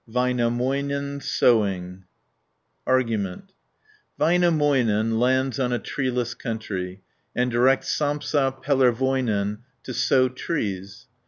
VÄINÄMÖINEN'S SOWING Argument Väinämöinen lands on a treeless country and directs Sampsa Pellervoinen to sow trees (1 42).